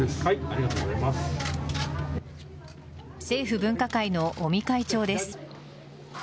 政府分科会の尾身会長です。